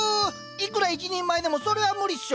いくら一人前でもそれは無理っしょ。